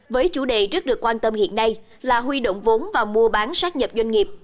với chủ đề rất được quan tâm hiện nay là huy động vốn và mua bán sát nhập doanh nghiệp